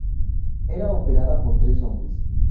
Era operada por tres hombres.